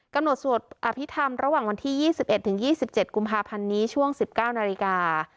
สวดอภิษฐรรมระหว่างวันที่๒๑๒๗กุมภาพันธ์นี้ช่วง๑๙นาฬิกา